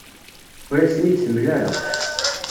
Ur ak-ten-id-temla ara.